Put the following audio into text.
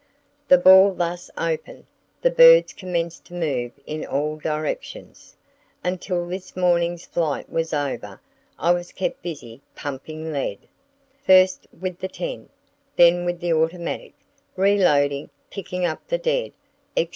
"The ball thus opened, the birds commenced to move in all directions. Until the morning's flight was over I was kept busy pumping lead, first with the 10, then with the automatic, reloading, picking up the dead, etc."